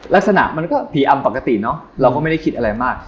ลักษณะมันก็ผีอำปกติเนอะเราก็ไม่ได้คิดอะไรมาก